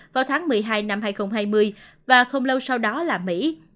vào tháng một mươi hai năm hai nghìn hai mươi và không lâu sau đó là mỹ